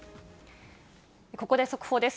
ここで速報です。